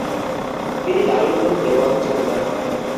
তিনি দারুল উলুম দেওবন্দ চলে যান।